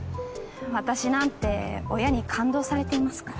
私なんて親に勘当されていますから。